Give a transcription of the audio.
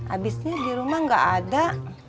abisnya di rumah nggak ada